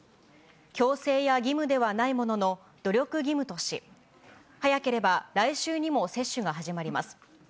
強制や義務ではないものの、努力義務とし、早ければ来週にも接種が始まります。